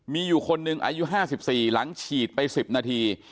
มีอยู่คนหนึ่งอายุ๕๔หลังฉีดไป๑๐นาที